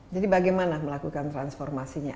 jadi bagaimana melakukan transformasinya